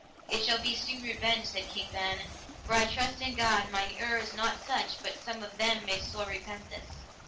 It shall be soon revenged, said King Ban, for I trust in God mine ure is not such but some of them may sore repent this.